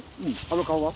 あの顔は？